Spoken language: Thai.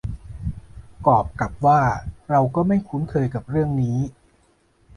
กอปรกับว่าเราก็ไม่คุ้นเคยกับเรื่องนี้